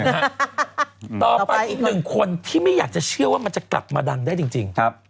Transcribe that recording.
ต่อไปอีกหนึ่งคนที่ไม่อยากจะเชื่อว่ามันจะกลับมาดังได้จริง